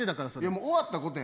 もう終わったことやん。